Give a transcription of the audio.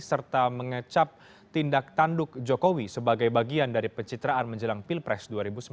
serta mengecap tindak tanduk jokowi sebagai bagian dari pencitraan menjelang pilpres dua ribu sembilan belas